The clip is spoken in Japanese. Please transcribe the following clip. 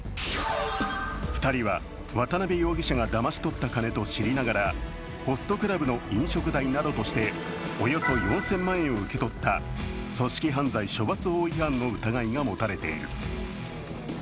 ２人は渡邊容疑者がだましとった金と知りながら、ホストクラブの飲食代などとしておよそ４０００万円を受け取った組織犯罪処罰法違反の疑いが持たれている。